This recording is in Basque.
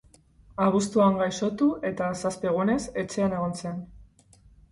Abuztuan gaixotu eta, zazpi egunez, etxean egon zen.